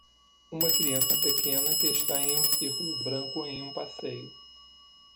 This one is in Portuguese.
Uma criança pequena que está em um círculo branco em um passeio.